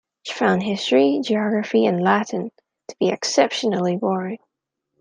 She found history, geography and Latin to be exceptionally boring.